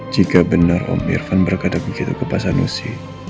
jika benar om irfan berkata begitu ke pasa nusi